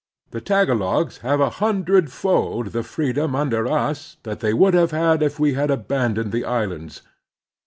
The Tagalogs have a htindred fold the freedom under us that they would have if we had abandoned the islands.